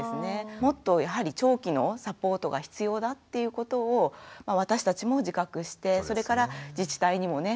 もっとやはり長期のサポートが必要だっていうことを私たちも自覚してそれから自治体にもね